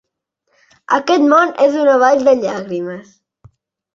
Aquest món és una vall de llàgrimes.